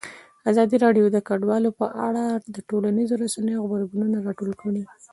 ازادي راډیو د کډوال په اړه د ټولنیزو رسنیو غبرګونونه راټول کړي.